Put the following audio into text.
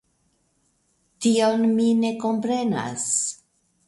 Tion mi ne komprenas.